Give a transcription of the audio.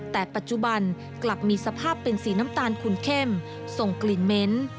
แต่ปัจจุบันกลับมีสภาพเป็นสีน้ำตาลขุนเข้มส่งกลิ่นเหม็น